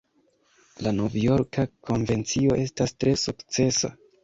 La Novjorka Konvencio estas tre sukcesa.